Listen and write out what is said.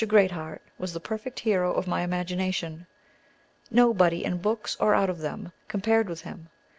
Great Heart was the perfect hero of my imagination. Nobody, in books or out of them, compared with him.